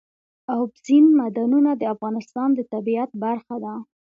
اوبزین معدنونه د افغانستان د طبیعت برخه ده.